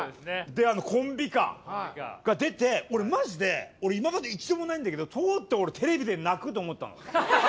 であのコンビ歌が出て俺マジで今まで一度もないんだけどとうとう俺テレビで泣くと思ったもん。